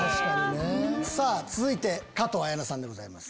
続いて加藤綾菜さんでございます。